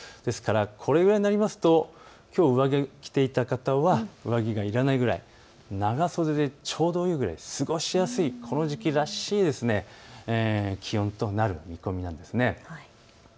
これぐらいになりますときょう上着を着ていた方は上着がいらないくらい、長袖でちょうどいいくらい、過ごしやすい、この時期らしい気温となる見込みなんです。